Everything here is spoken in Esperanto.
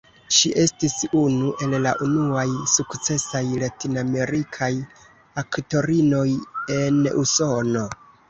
Ŝi estis unu el la unuaj sukcesaj latinamerikaj aktorinoj en Usono.